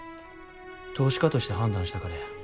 投資家として判断したからや。